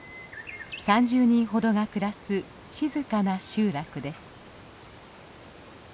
３０人ほどが暮らす静かな集落です。